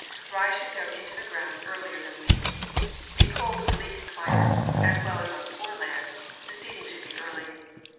Rye should go into the ground earlier than wheat. In cold, bleak climates, as well as on poor land, the seeding should be early.